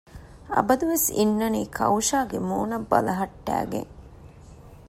އަބަދުވެސް އިންނަނީ ކައުޝާގެ މޫނަށް ބަލަހައްޓައިގެން